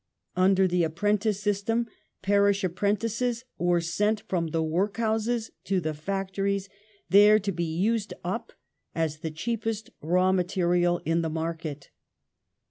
Under the "apprentice system," parish apprentices were sent from the workhouses to the factories, there to lae " used up " as the "cheapest raw material in the market".